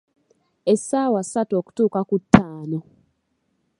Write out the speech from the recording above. Essaawa ssatu okutuuka ku ttaano.